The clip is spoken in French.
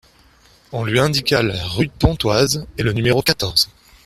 On lui indiqua la rue de Pontoise et le numéro quatorze.